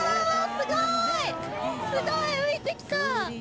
すごい浮いてきた。